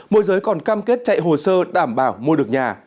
môi giới còn cam kết chạy hồ sơ đảm bảo mua được nhà